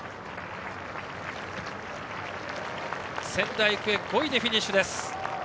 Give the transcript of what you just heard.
仙台育英、５位でフィニッシュ。